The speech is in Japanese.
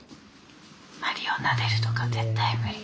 まりをなでるとか絶対無理。